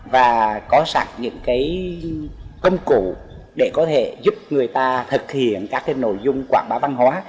và có sẵn những công cụ để có thể giúp người ta thực hiện các nội dung quảng bá văn hóa